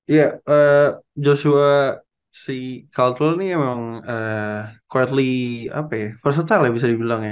iya joshua si caldwell ini memang quietly apa ya versatile ya bisa dibilang ya